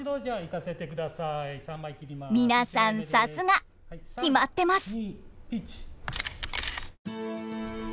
皆さんさすが決まってます。